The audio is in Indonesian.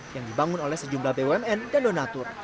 yang dibangun oleh sejumlah bumn dan donatur